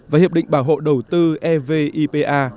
và hiệp định bảo hộ đầu tư evipa